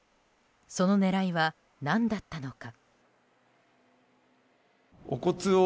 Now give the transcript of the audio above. その狙いは何だったのか。